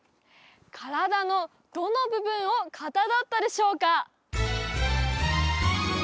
体のどの部分をかたどったでしょうか？